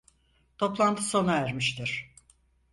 Toplantı sona ermiştir.